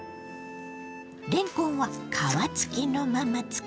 れんこんは皮付きのまま使います。